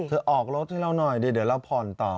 เธอออกรถให้เราหน่อยเดี๋ยวเราพรต่อ